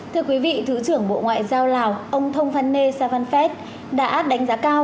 thưa quý vị thứ trưởng bộ ngoại giao lào ông thông phan nê savanphet đã đánh giá cao